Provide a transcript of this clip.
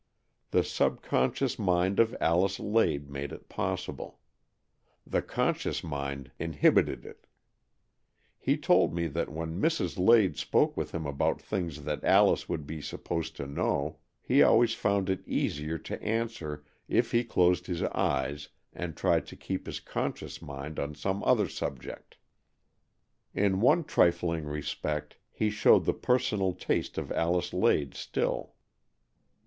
The sub conscious mind of Alice Lade made it possible. The conscious mind inhibited it. He told me that when Mrs. Lade spoke with him about things that Alice would be supposed to know, he always found it easier to answer if he closed his eyes and AN EXCHANGE OF SOULS 207 tried to keep his conscious mind on some other subject. In one trifling respect, he showed the personal taste of Alice Lade still.